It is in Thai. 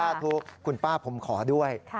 คุณป้าถูกคุณป้าผมขอด้วย